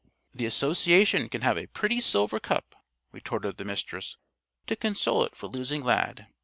"The Association can have a pretty silver cup," retorted the Mistress, "to console it for losing Lad.